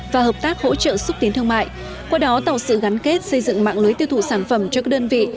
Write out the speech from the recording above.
và hợp tác hỗ trợ xúc tiến thương mại qua đó tạo sự gắn kết xây dựng mạng lưới tiêu thụ sản phẩm cho các đơn vị